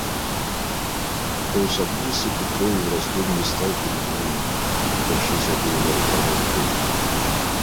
Поусомнился Петро и в раздумьи стал перед ними, подпершись обеими руками в боки.